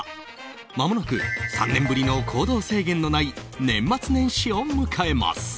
まもなく３年ぶりの行動制限のない年末年始を迎えます。